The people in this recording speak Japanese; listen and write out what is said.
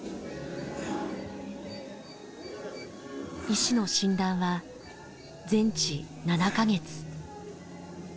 医師の診断は全治７か月。